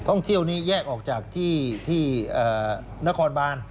ท่องเที่ยวนี้แยกออกจากที่นครบาน